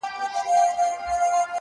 اوس دي لا د حسن مرحله راغلې نه ده,